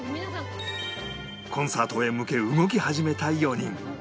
コンサートへ向け動き始めた４人